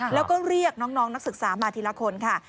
แล้วก็เรียกน้องนักศึกษามาทีละคนค่ะ